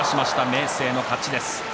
明生の勝ちです。